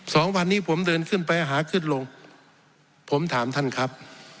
สองวันนี้ผมเดินขึ้นไปหาขึ้นลงผมถามท่านครับ